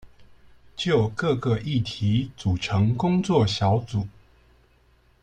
就各個議題組成工作小組